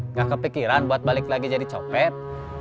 nggak kepikiran buat balik lagi jadi copet